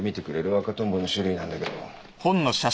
赤トンボの種類なんだけど。